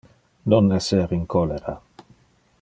Non esser in cholera.